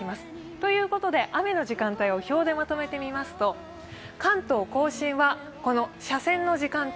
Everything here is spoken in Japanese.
ということで雨の時間帯を表でまとめてみますと関東甲信はこの斜線の時間帯